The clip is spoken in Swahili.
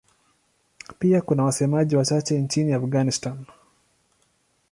Pia kuna wasemaji wachache nchini Afghanistan.